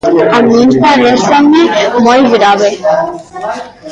A min paréceme moi grave.